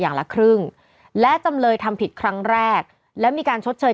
อย่างละครึ่งและจำเลยทำผิดครั้งแรกและมีการชดเชย